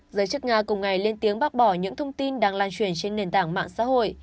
giới chức nga cùng ngày lên tiếng bác bỏ những thông tin đang lan truyền trên nền tảng mạng xã hội